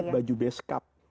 lihat baju beskap